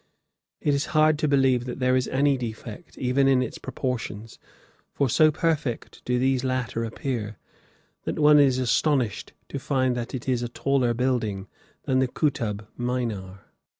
It is hard to believe that there is any defect, even in its proportions, for so perfect do these latter appear, that one is astonished to learn that it is a taller building than the Kootub Minar.